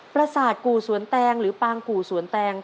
ประสาทกู่สวนแตงหรือปางกู่สวนแตง